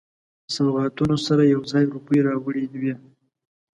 سوغاتونو سره یو ځای روپۍ راوړي وې.